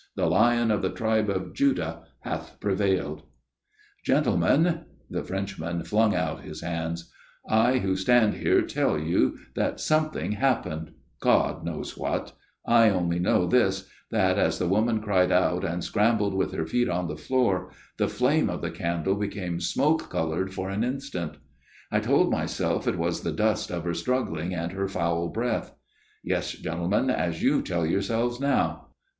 The lion of the tribe of Judah hath prevailed !' 48 A MIRROR OF SHALOTT " Gentlemen " the Frenchman flung out his hands " I who stand here tell you that some thing happened God knows what I only know this, that as the woman cried out and scrambled with her feet on the floor, the flame of the candJe became smoke coloured for one instant. I told myself it was the dust of her struggling and her foul breath. Yes, gentlemen, as you tell your selves now.